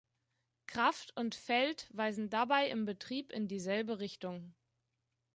Kraft und Feld weisen dabei im Betrieb in dieselbe Richtung.